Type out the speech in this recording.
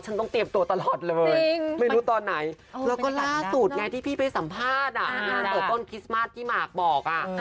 ต้องเตรียมตัวตลอดเลยไม่รู้ตอนไหนแล้วก็ล่าสุดไงที่พี่ไปสัมภาษณ์งานเปิดต้นคริสต์มาสที่หมากบอก